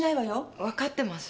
分かってます。